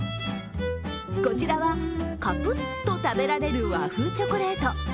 こちらは、かぷっと食べられる和風チョコレート